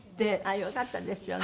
よかったですよね。